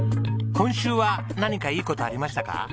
今週は何かいい事ありましたか？